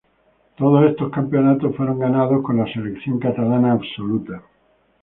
Todos estos campeonatos fueron ganados con la selección catalana absoluta.